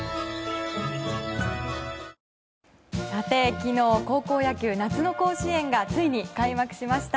昨日、高校野球夏の甲子園がついに開幕しました。